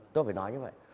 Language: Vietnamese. tôi phải nói như vậy